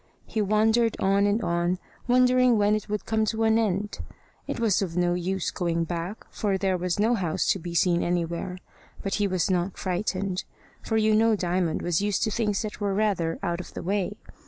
He wandered on and on, wondering when it would come to an end. It was of no use going back, for there was no house to be seen anywhere. But he was not frightened, for you know Diamond was used to things that were rather out of the way.